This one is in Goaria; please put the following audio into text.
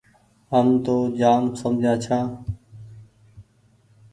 هم تو جآم سمجها ڇآن۔